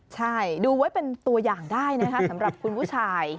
ใช่ดูไว้เป็นตัวอย่างได้นะคะสำหรับคุณผู้ชาย